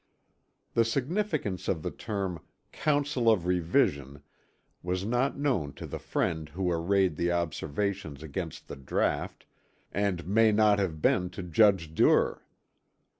The significance of the term "council of revision" was not known to the friend who arrayed the Observations against the draught and may not have been to Judge Duer.